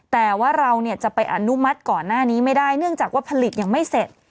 แต่ว่าเราจะไปอนุมัติก่อนหน้านี้ไม่ได้เนื่องจากว่าผลิตยังไม่เสร็จ